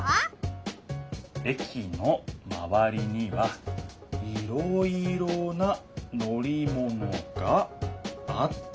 「駅のまわりにはいろいろな乗り物があった」。